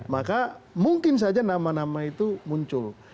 maka mungkin saja nama nama itu muncul